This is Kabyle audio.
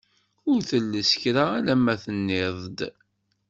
Ur telles kra, alamma tenniḍ-d!